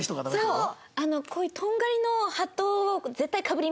そう。